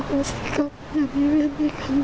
ขออภสิกรรมอย่าบีวีดให้กัน